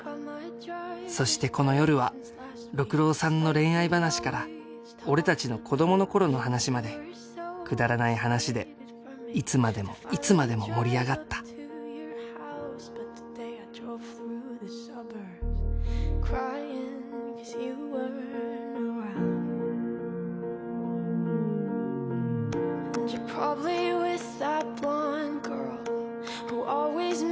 そしてこの夜は六郎さんの恋愛話から俺達の子どもの頃の話までくだらない話でいつまでもいつまでも盛り上がったサ？